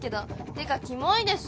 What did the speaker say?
てかキモいです。